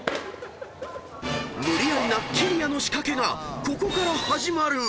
［無理やりなきりやの仕掛けがここから始まる！］